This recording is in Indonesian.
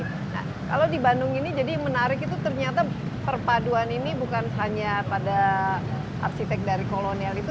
nah kalau di bandung ini jadi menarik itu ternyata perpaduan ini bukan hanya pada arsitek dari kolonial itu